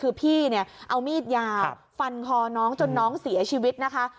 คือพี่เนี่ยเอามีดยาฟันคอน้องจนน้องเสียชีวิตนะคะ